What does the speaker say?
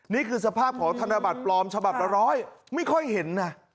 นี่คือสภาพของธนบัตรปลอมฉบับละร้อยไม่ค่อยเห็นนะ